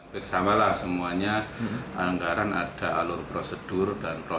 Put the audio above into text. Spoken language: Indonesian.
pemakaman dan tim relawan sudah bertemu dengan kami